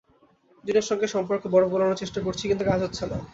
জুনের সাথে সম্পর্কের বরফ গলানোর চেষ্টা করছি কিন্তু কাজ হচ্ছে না।